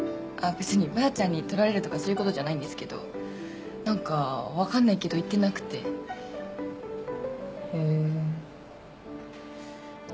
別にばあちゃんに取られるとかそういうことじゃないんですけどなんかわかんないけど言ってなくてへえーま